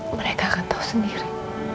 mereka akan tau sendiri